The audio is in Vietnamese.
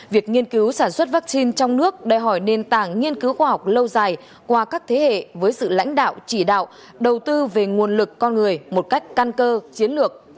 việc nghiên cứu sản xuất vaccine trong nước đòi hỏi nền tảng nghiên cứu khoa học lâu dài qua các thế hệ với sự lãnh đạo chỉ đạo đầu tư về nguồn lực con người một cách căn cơ chiến lược